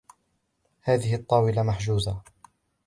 هذه الطاولة محجوزة.